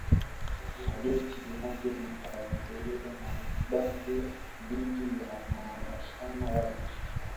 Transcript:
na jeshi lake litaendelea na ubabe dhidi ya wanachama wake